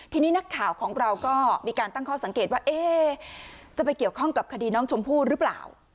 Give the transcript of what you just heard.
ทีนี้นักข่าวของเราก็มีการตั้งข้อสังเกตว่าจะไปเกี่ยวข้องกับคดีน้องชมพู่หรือเปล่า